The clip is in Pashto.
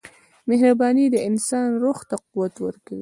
• مهرباني د انسان روح ته قوت ورکوي.